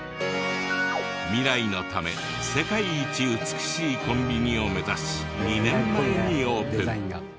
未来のため世界一美しいコンビニを目指し２年前にオープン。